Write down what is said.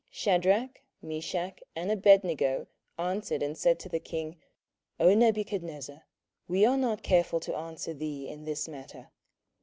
27:003:016 Shadrach, Meshach, and Abednego, answered and said to the king, O Nebuchadnezzar, we are not careful to answer thee in this matter.